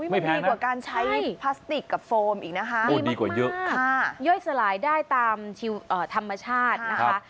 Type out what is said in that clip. ดีกว่าการใช้พลาสติกกับโฟมอีกนะคะย่อยสลายได้ตามธรรมชาตินะคะ